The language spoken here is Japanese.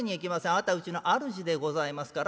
あなたうちの主でございますから。